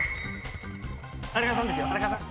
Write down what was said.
荒川さんですよ荒川さん。